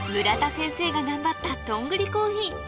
村田先生が頑張ったドングリコーヒー